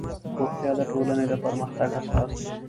روغتیا د ټولنې د پرمختګ اساس دی